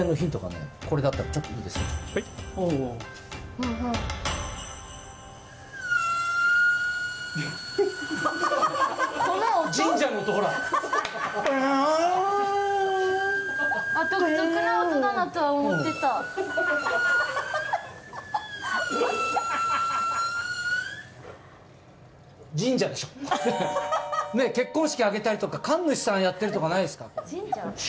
声劼任靴隋結婚式挙げたり神主さんやってるとかないですか。